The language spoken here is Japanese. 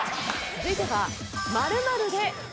続いては。